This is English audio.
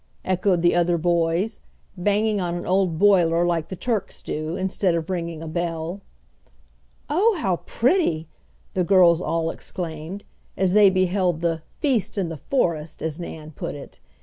echoed the other boys, banging on an old boiler like the Turks do, instead of ringing a bell. "Oh, how pretty!" the girls all exclaimed, as they beheld the "feast in the forest," as Nan put it.